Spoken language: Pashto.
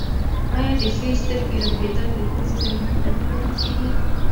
آیا د ښي سترګې رپیدل د ښه زیری نښه نه ګڼل کیږي؟